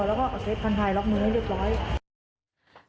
แล้วก็เอาเทปทางทายล็อกมืองให้เรียบร้อย